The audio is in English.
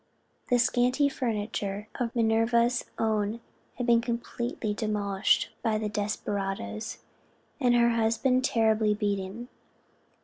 The scanty furniture of Minerva's own had been completely demolished by the desperadoes, and her husband terribly beaten.